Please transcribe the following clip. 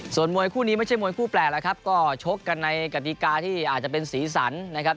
ส่วนมวยคู่นี้ไม่ใช่มวยคู่แปลกแล้วครับก็ชกกันในกติกาที่อาจจะเป็นสีสันนะครับ